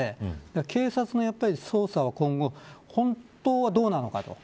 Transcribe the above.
警察の捜査は今後本当はどうなのかとか。